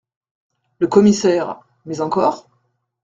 Le Commissaire Mais encore ?…